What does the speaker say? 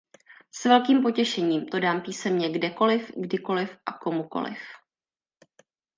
S velkým potěšením to dám písemně kdekoliv, kdykoliv a komukoliv.